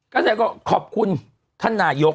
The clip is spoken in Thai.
ก็แสดงก็ขอบคุณท่านหน่ายก